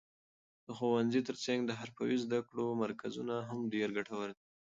د ښوونځي تر څنګ د حرفوي زده کړو مرکزونه هم ډېر ګټور دي.